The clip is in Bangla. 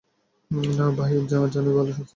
না জানাই ভালো, শান্তিতে আছ।